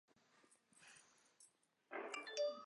顶部则是一块巨大的岩石。